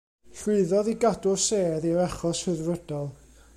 Llwyddodd i gadw'r sedd i'r achos Rhyddfrydol.